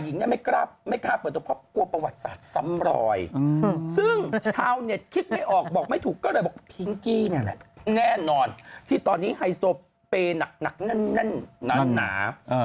พิงกี้นี่แหละแน่นอนที่ตอนนี้ไฮโซปเปย์หนักหนาหนา